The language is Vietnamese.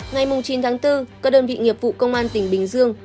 ngày chín tháng bốn các đơn vị nghiệp vụ công an tỉnh bình dương